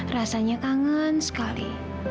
rasanya kangen sekali